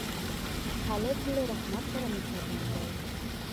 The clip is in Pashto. هلک له رحمت سره مهربان دی.